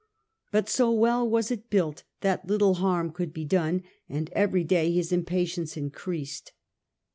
But so well was it built, that little harm could be done, and every day his impatience increased.